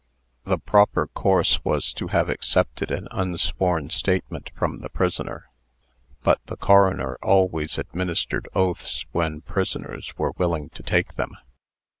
The proper course was to have accepted an unsworn statement from the prisoner; but the coroner always administered oaths when prisoners were willing to take them.